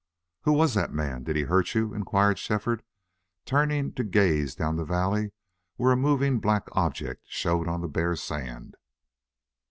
"Who was that man? Did he hurt you?" inquired Shefford, turning to gaze down the valley where a moving black object showed on the bare sand.